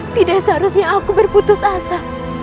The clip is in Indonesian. tidak seharusnya aku berputus asa